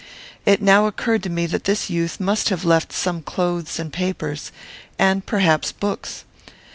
It now occurred to me that this youth must have left some clothes and papers, and, perhaps, books.